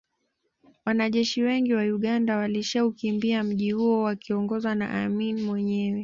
Wanajeshi wengi wa Uganda walishaukimbia mji huo wakiongozwa na Amin mwenyewe